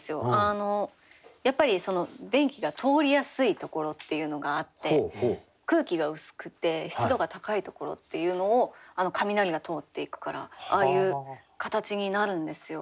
やっぱり電気が通りやすいところっていうのがあって空気が薄くて湿度が高いところっていうのを雷が通っていくからああいう形になるんですよ。